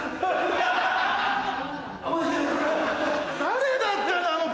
誰だったの？